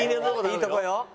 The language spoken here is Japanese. いいとこよ。